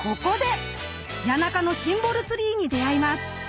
谷中のシンボルツリーに出会います！